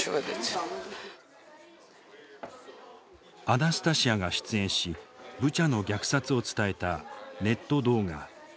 アナスタシヤが出演しブチャの虐殺を伝えたネット動画。